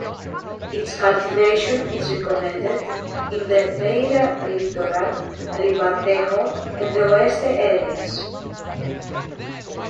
Its cultivation is recommended in the Beira Litoral, Ribatejo and Oeste areas.